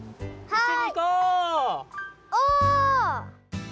はい。